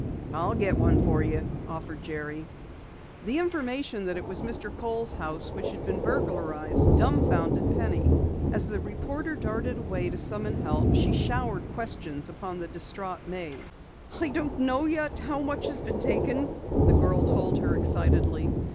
"I'll get one for you," offered Jerry. The information that it was Mr. Kohl's house which had been burglarized dumbfounded Penny. As the reporter darted away to summon help, she showered questions upon the distraught maid. "I don't know yet how much has been taken," the girl told her excitedly.